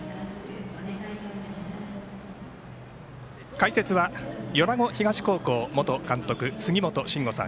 解説は、米子東高校元監督杉本真吾さん。